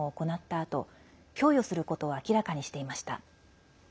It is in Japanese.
あと供与することを明らかにしていました。